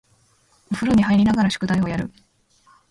お風呂に入りながら宿題をやる